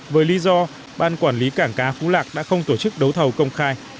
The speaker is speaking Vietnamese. với lý do ban quản lý cảng cá phú lạc đã không tổ chức đấu thầu công khai